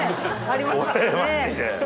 これマジで。